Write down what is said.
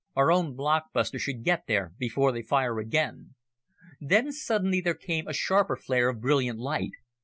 "Our own blockbuster should get there before they fire again." Then suddenly there came a sharper flare of brilliant light.